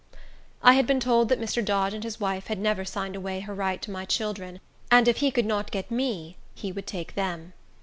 I had been told that Mr. Dodge said his wife had never signed away her right to my children, and if he could not get me, he would take them.